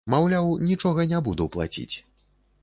Маўляў, нічога не буду плаціць.